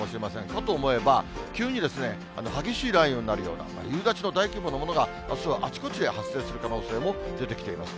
かと思えば、急にですね、激しい雷雨になるような、夕立の大規模なものがあすはあちこちで発生する可能性も出てきています。